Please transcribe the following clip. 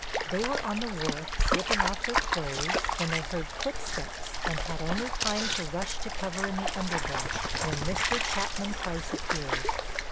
They were on the wharf slipping off their clothes when they heard footsteps and had only time to rush to cover in the underbrush when Mr. Chapman Price appeared.